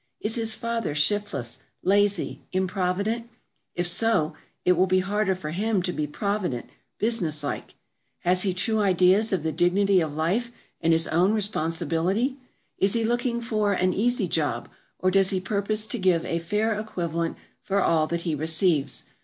Is his father shiftless, lazy, improvident? If so, it will be harder for him to be provident, business like. Has he true ideas of the dignity of life and his own responsibility? Is he looking for an "easy job," or does he purpose to give a fair equivalent for all that he receives?